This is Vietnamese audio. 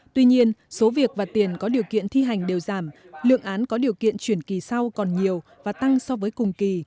tuy nhiên số việc và tiền có điều kiện thi hành đều giảm lượng án có điều kiện chuyển kỳ sau còn nhiều và tăng so với cùng kỳ